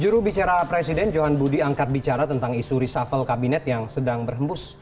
jurubicara presiden johan budi angkat bicara tentang isu reshuffle kabinet yang sedang berhembus